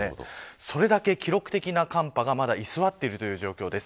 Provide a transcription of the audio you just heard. それだけ記録的な寒波が、まだ居座っているという状況です。